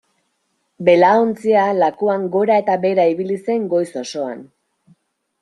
Belaontzia lakuan gora eta behera ibili zen goiz osoan.